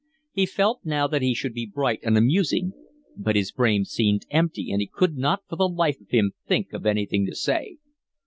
He felt now that he should be bright and amusing, but his brain seemed empty and he could not for the life of him think of anything to say.